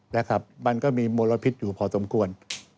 และมันมีมลพิษอยู่พอสมควร